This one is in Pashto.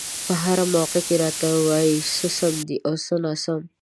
په هره موقع کې راته وايي څه سم دي او څه ناسم.